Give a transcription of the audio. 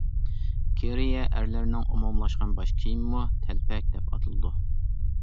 كېرىيە ئەرلىرىنىڭ ئومۇملاشقان باش كىيىمىمۇ تەلپەك دەپ ئاتىلىدۇ.